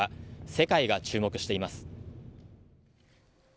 世界が注目しています。